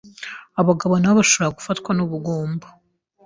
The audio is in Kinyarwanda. Abagabo nabo bashobora gufatwa n’ubugumba